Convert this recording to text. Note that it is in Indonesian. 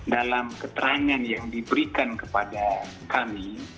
dalam keterangan yang diberikan kepada kami